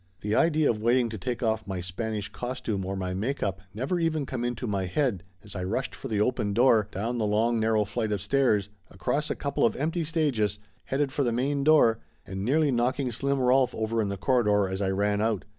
The idea of waiting to take off my Spanish costume or my make up never even come into my head as I rushed for the open door, down the long narrow flight of stairs, across a couple of empty stages, headed for the main door, and nearly knocking Slim Rolf over in the corridor as I ran out.